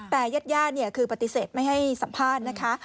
แต่ญาติคือปฏิเสธไม่ให้สัมภาษณ์นะคะ